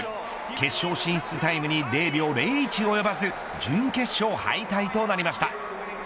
決勝進出タイムに０秒０１及ばず準決勝敗退となりました。